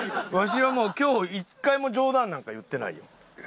わしは今日一回も冗談なんか言ってないよ。